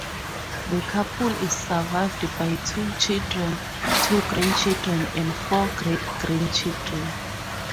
The couple is survived by two children, two grandchildren, and four great grandchildren.